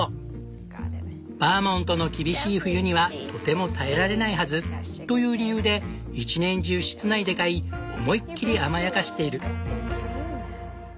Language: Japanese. バーモントの厳しい冬にはとても耐えられないはずという理由で一年中室内で飼い思いっきり甘やかしている。